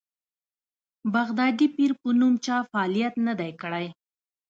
بغدادي پیر په نوم چا فعالیت نه دی کړی.